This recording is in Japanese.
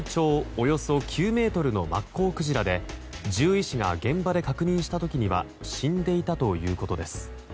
およそ９ｍのマッコウクジラで獣医師が現場で確認した時には死んでいたということです。